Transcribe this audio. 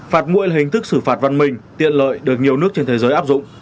phạt nguội là hình thức xử phạt văn minh tiện lợi được nhiều nước trên thế giới áp dụng